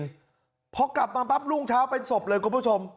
พอกลับมาปั๊บรุ่งเช้าเป็นศพเลยคุณผู้ชม